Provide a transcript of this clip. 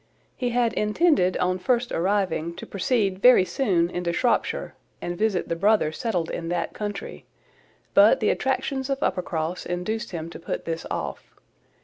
He had intended, on first arriving, to proceed very soon into Shropshire, and visit the brother settled in that country, but the attractions of Uppercross induced him to put this off.